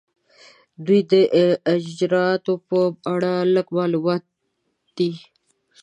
د دوی د اجرااتو په اړه لږ معلومات دي.